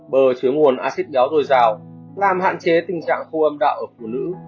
bơ chứa nguồn acid béo dồi dào làm hạn chế tình trạng khô âm đạo ở phụ nữ